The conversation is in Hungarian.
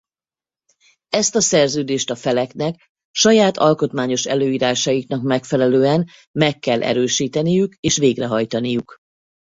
Ezt a Szerződést a Feleknek saját alkotmányos előírásaiknak megfelelően meg kell erősíteniük és végrehajtaniuk.